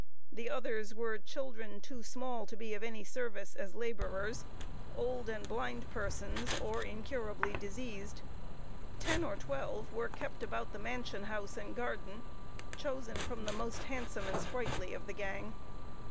The others were children, too small to be of any service as laborers; old and blind persons, or incurably diseased. Ten or twelve were kept about the mansion house and garden, chosen from the most handsome and sprightly of the gang.